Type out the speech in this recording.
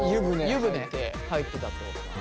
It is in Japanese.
湯船入ってたってことかな。